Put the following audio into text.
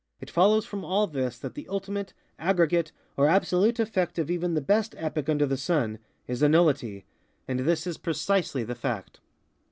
It follows from all this that the ultimate, aggregate, or absolute effect of even the best epic under the sun, is a nullity:ŌĆöand this is precisely the fact.